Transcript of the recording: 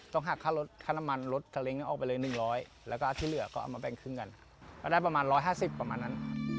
ต้องหักค่าน้ำมันลดแสนงนี้ออกไปเลย๑๐๐และก็ที่เหลือก็เอามาแบนคึ้งได้ประมาณ๑๕๐ประมาณนั้น